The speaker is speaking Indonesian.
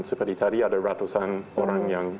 seperti tadi ada ratusan orang yang